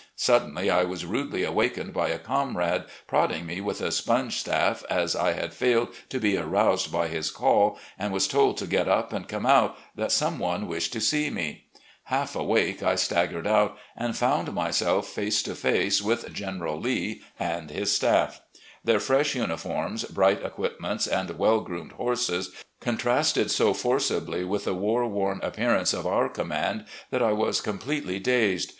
Suddenly I was rudely awakened by a comrade, prodding me with a sponge staff as I had failed to be aroused by his call, and was told to get up and come out, that some one wished to see me. Half awake, I staggered out, and found myself 74 RECOLLECTIONS OF GENERAL LEE face to face with General Lee and his staff. Their fresh uniforms, Jjright equipments and well groomed horses contrasted so forcibly with the war worn appearance of our command that I was completely dazed.